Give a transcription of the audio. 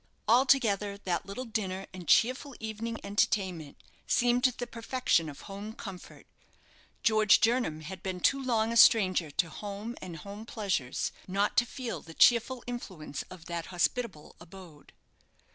Altogether that little dinner and cheerful evening entertainment seemed the perfection of home comfort. George Jernam had been too long a stranger to home and home pleasures not to feel the cheerful influence of that hospitable abode.